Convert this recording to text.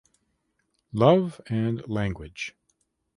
Love and language.